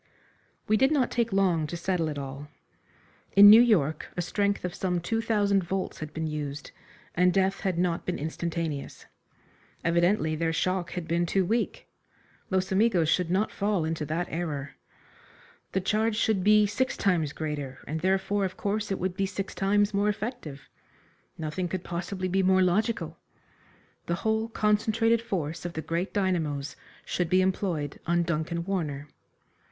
We did not take long to settle it all. In New York a strength of some two thousand volts had been used, and death had not been instantaneous. Evidently their shock had been too weak. Los Amigos should not fall into that error. The charge should be six times greater, and therefore, of course, it would be six times more effective. Nothing could possibly be more logical. The whole concentrated force of the great dynamos should be employed on Duncan Warner.